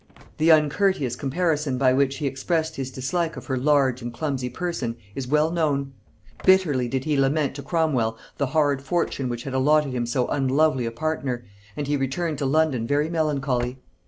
The uncourteous comparison by which he expressed his dislike of her large and clumsy person is well known. Bitterly did he lament to Cromwel the hard fortune which had allotted him so unlovely a partner, and he returned to London very melancholy.